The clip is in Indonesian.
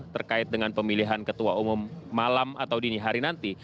terkait dengan pemilihan ketua umum malam atau dini hari nanti